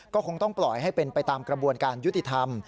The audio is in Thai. ก็คงต้องปล่อยให้เป็นไปตามกระบวนการยุติธรรม